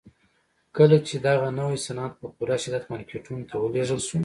کله چې دغه نوي صنعت په پوره شدت مارکيټونو ته ولېږل شو.